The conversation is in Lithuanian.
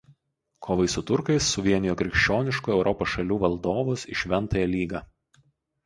Kovai su turkais suvienijo krikščioniškų Europos šalių valdovus į Šventąją lygą.